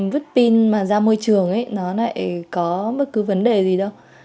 vứt pin ra môi trường lại có bất cứ vấn đề gì đâu